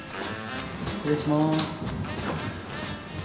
失礼します。